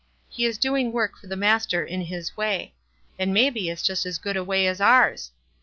He is doing work for the Master in his way ; and may be it's just as good a way as ours.